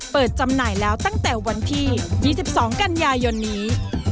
จำหน่ายแล้วตั้งแต่วันที่๒๒กันยายนนี้